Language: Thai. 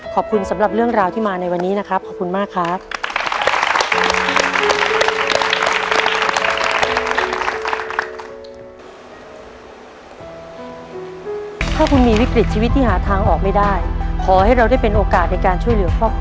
ขอบคุณสำหรับเรื่องราวที่มาในวันนี้นะครับ